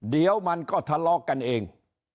เดี๋ยวมันก็ทะเลาะกันเอง